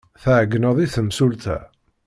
Tɛeyyneḍ i temsulta.